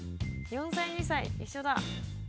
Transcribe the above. ４歳２歳一緒だ。